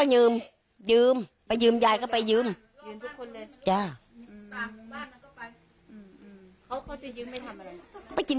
ไปเยืมไปเยืมยายก็ไปเยืม